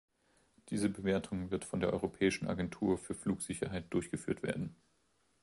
Diese Bewertung wird von der Europäischen Agentur für Flugsicherheit durchgeführt werden.